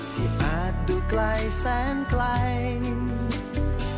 อาจดูไกลแสนไกล